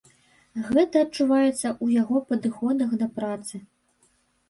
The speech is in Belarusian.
Гэта адчуваецца ў яго падыходах да працы.